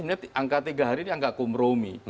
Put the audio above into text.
sebenarnya angka tiga hari ini angka komromi